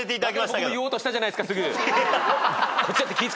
言おうとしたじゃないすかすぐ。